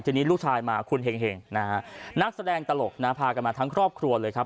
ทีนี้ลูกชายมาคุณเห็งนะฮะนักแสดงตลกนะฮะพากันมาทั้งครอบครัวเลยครับ